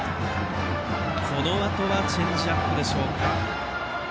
このあとはチェンジアップでしょうか。